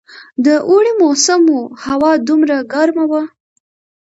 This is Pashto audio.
د اوړي موسم وو، هوا دومره ګرمه وه.